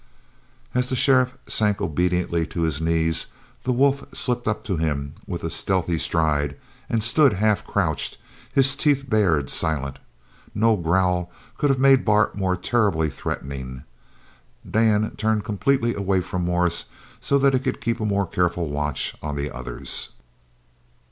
As the sheriff sank obediently to his knees, the wolf slipped up to him with a stealthy stride and stood half crouched, his teeth bared, silent. No growl could have made Bart more terribly threatening. Dan turned completely away from Morris so that he could keep a more careful watch on the others.